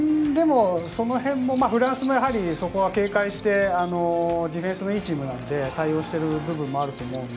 そのへんはフランスもそこは警戒して、ディフェンスのいいチームなので対応している部分もあると思います。